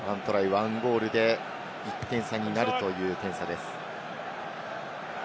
１ゴールで１点差になるという点差です。